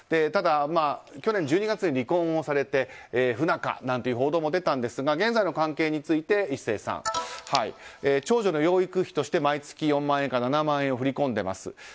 ただ去年１２月に離婚をされて不仲なんていう報道も出たんですが現在の関係について長女の養育費として毎月４万円から７万円を振り込んでます。